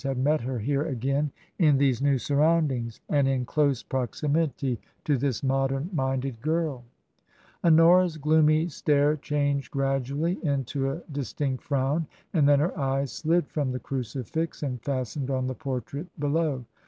— had met her here again in these new surroundings, and in close proximity to this modem minded girl ? Honora's gloomy stare changed gradually into a dis tinct frown. And then her eyes slid from the crucifix and fastened on the portrait below.